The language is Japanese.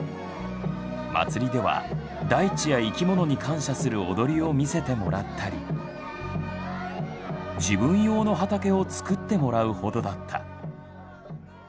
祭りでは大地や生き物に感謝する踊りを見せてもらったり自分用の畑を作ってもらうほどだった。